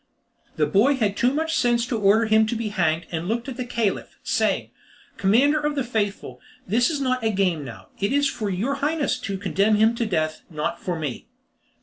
The boy had too much sense to order him to be hanged, and looked at the Caliph, saying, "Commander of the Faithful, this is not a game now; it is for your Highness to condemn him to death and not for me."